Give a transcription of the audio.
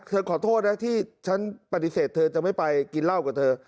ขอโทษนะที่ฉันปฏิเสธเธอจะไม่ไปกินเหล้ากับเธอ